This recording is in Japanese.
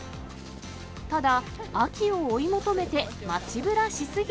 ただ、秋を追い求めて街ブラし過ぎ